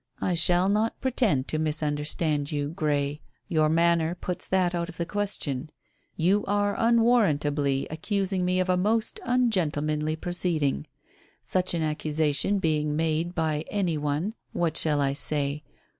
"I shall not pretend to misunderstand you, Grey. Your manner puts that out of the question. You are unwarrantably accusing me of a most ungentlemanly proceeding. Such an accusation being made by any one what shall I say?